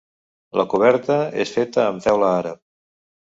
La coberta és feta amb teula àrab.